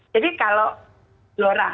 jadi kalau lora